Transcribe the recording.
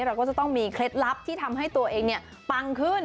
เราก็จะต้องมีเคล็ดลับที่ทำให้ตัวเองปังขึ้น